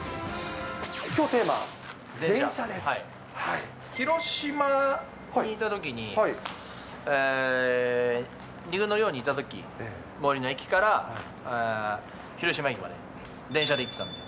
きょうテーマ、広島にいたときに、２軍の寮にいたとき、最寄りの駅から広島駅まで、電車で行ってたので。